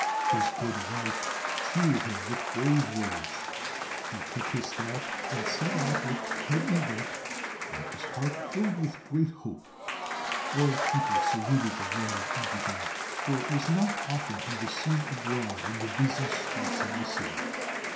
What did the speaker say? His good wife cheered him with brave words. He took his staff and set out with head erect and his heart filled with a great hope. All people saluted the learned Ibrahim, for it was not often he was seen abroad in the busy streets of the city.